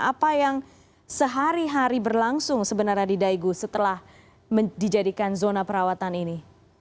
apa yang sehari hari berlangsung sebenarnya di daegu setelah dijadikan zona perawatan ini